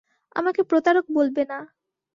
আমাকে প্রতারক বলবে না।